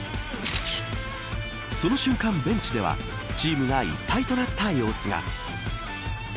その瞬間、ベンチではチームが一体となった様子が。